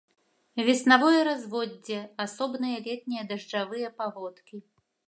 Веснавое разводдзе, асобныя летнія дажджавыя паводкі.